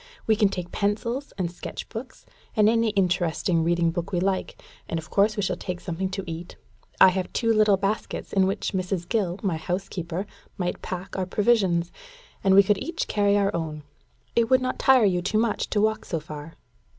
We can take pencils and sketch books, and any interesting reading book we like; and of course we shall take something to eat. I have two little baskets, in which Mrs. Gill, my house keeper, might pack our provisions, and we could each carry our own. It would not tire you too much to walk so far?"